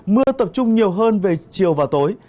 mưa tập trung nhiều hơn về chiều và tối